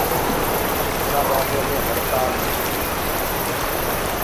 هيدرآبآدو مي هڙتآل هوگي۔